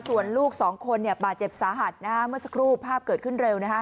ส่วนลูกสองคนเนี้ยบาดเจ็บสาหัสนะครับเมื่อสักรูปภาพเกิดขึ้นเร็วนะฮะ